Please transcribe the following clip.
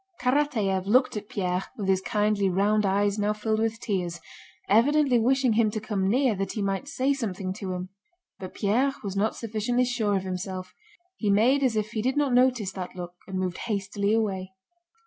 Karatáev looked at Pierre with his kindly round eyes now filled with tears, evidently wishing him to come near that he might say something to him. But Pierre was not sufficiently sure of himself. He made as if he did not notice that look and moved hastily away.